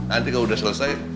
nanti kalau udah selesai